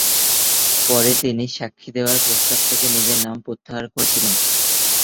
পরে তিনি সাক্ষ্য দেওয়ার প্রস্তাব থেকে নিজের নাম প্রত্যাহার করেছিলেন।